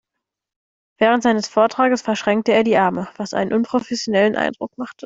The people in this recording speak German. Während seines Vortrages verschränkte er die Arme, was einen unprofessionellen Eindruck machte.